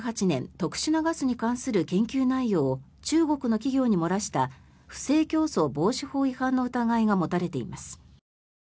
特殊なガスに関する研究内容を中国の企業に漏らした不正競争防止法違反の疑いが持たれています。